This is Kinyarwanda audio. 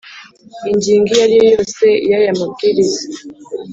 ingingo iyo ari yo yose y aya mabwiriza